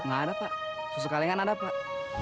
nggak ada pak susu kalengan ada pak